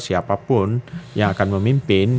siapapun yang akan memimpin